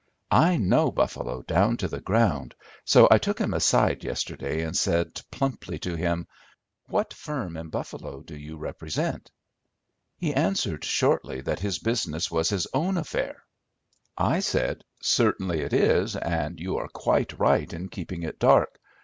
I know Buffalo down to the ground, so I took him aside yesterday and said plumply to him, 'What firm in Buffalo do you represent?' He answered shortly that his business was his own affair. I said, 'Certainly it is, and you are quite right in keeping it dark.